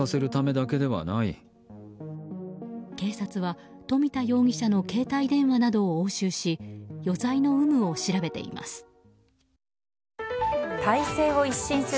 警察は富田容疑者の携帯電話などを押収し余罪の有無を調べています。